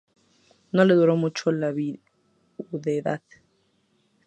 No le duró mucho la viudedad.